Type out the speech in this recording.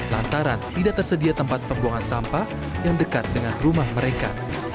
lantaran tidak tersedia tempat pembuangan sampah yang dekat dengan rumah mereka